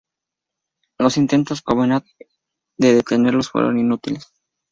Los intentos Covenant de detenerlos fueron inútiles.